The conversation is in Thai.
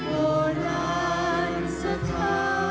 โบราณสะท้านส่งมา